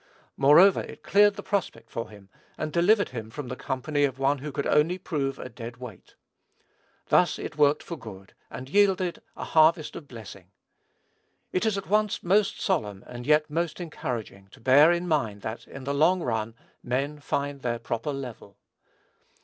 Moreover, it cleared the prospect for him, and delivered him from the company of one who could only prove a dead weight. Thus it worked for good, and yielded a harvest of blessing. It is at once most solemn, and yet most encouraging, to bear in mind that, in the long run, men find their proper level.